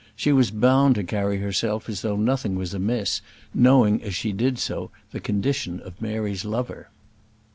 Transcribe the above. She was bound to carry herself as though nothing was amiss, knowing, as she did so, the condition of Mary's lover.